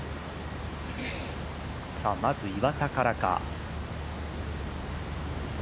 まず岩田からか。